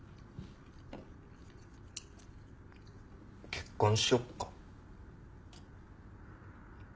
結婚しよっか。